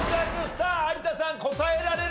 さあ有田さん答えられるか？